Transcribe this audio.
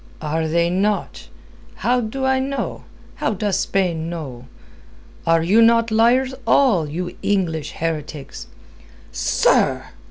"Are they not? How do I know? How does Spain know? Are you not liars all, you English heretics?" "Sir!"